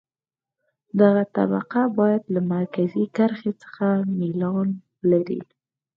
دغه طبقه باید له مرکزي کرښې څخه میلان ولري